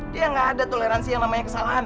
dia nggak ada toleransi yang namanya kesalahan